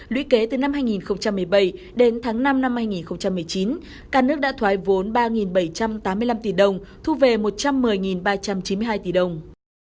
lũy kế từ năm hai nghìn một mươi bảy đến tháng năm năm hai nghìn một mươi chín cả nước đã thoái vốn ba bảy trăm tám mươi năm tỷ đồng thu về một trăm một mươi ba trăm chín mươi hai tỷ đồng